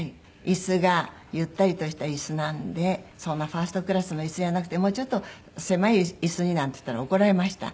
椅子がゆったりとした椅子なんでそんなファーストクラスの椅子じゃなくてもうちょっと狭い椅子になんて言ったら怒られました。